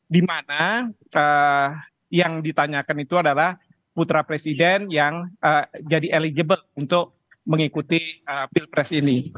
dimana yang ditanyakan itu adalah putra presiden yang jadi eligible untuk mengikuti pilpres ini